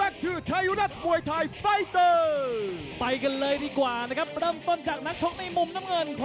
และนี่คือรายละเอียดหลังจาก๖นิดนึง